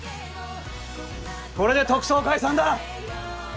これで特捜解散だ！